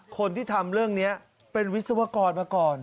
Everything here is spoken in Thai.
คนที่ทำเรื่องนี้เป็นวิศวกรมาก่อน